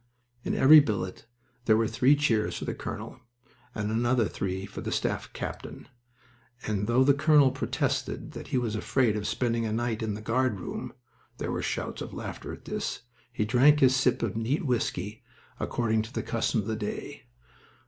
In every billet there were three cheers for the colonel, and another three for the staff captain, and though the colonel protested that he was afraid of spending a night in the guard room (there were shouts of laughter at this), he drank his sip of neat whisky, according to the custom of the day.